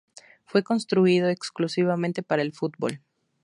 Fue construido exclusivamente para el fútbol.